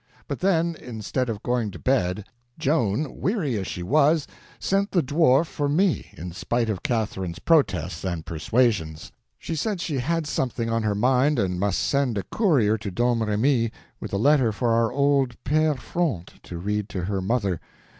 But then, instead of going to bed, Joan, weary as she was, sent the Dwarf for me, in spite of Catherine's protests and persuasions. She said she had something on her mind, and must send a courier to Domremy with a letter for our old Pere Fronte to read to her mother.